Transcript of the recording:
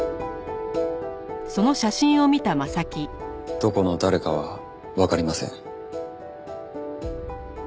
どこの誰かはわかりません。